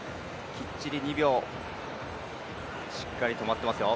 きっちり２秒、しっかり止まってますよ。